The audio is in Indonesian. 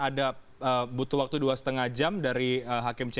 ada butuh waktu dua lima jam dari hakim c